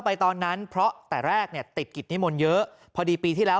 ตอนนั้นเพราะแต่แรกเนี่ยติดกิจนิมนต์เยอะพอดีปีที่แล้ว